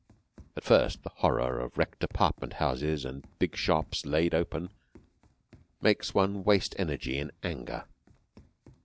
At first the horror of wrecked apartment houses and big shops laid open makes one waste energy in anger.